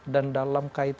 dan dalam kaitan itu